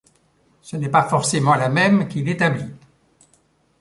Ce n'est pas forcément la même qui l'établit.